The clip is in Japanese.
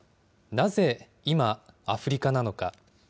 なぜ今、アフリカなのか。